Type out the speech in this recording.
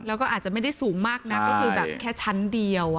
แล้วก็อาจไม่ได้สูงมากมันมีแค่ชั้นเดียว